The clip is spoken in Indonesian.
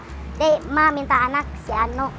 jadi emak minta anak sianu